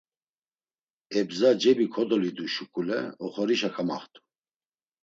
Ebza, cebi kodolidu şuǩule oxorişa kamaxt̆u.